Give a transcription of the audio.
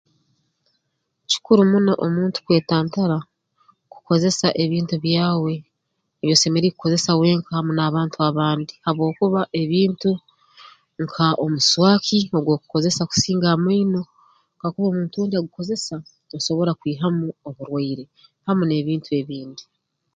Kikuru muno omuntu kwetantara kukozesa ebintu byawe ebi osemeriire kukozesa wenka hamu n'abantu abandi habwokuba ebintu nka omuswaaki ogw'okukozesa kusinga amaino kakuba omuntu ondi agukozesa osobora kwihamu oburwaire hamu n'ebintu ebindi